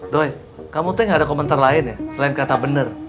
doi kamu tuh nggak ada komentar lain ya selain kata bener